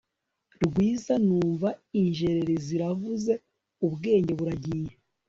rwiza numva injereri ziravuze ubwenge buragiye